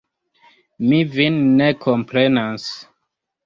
Mi vin ne komprenas.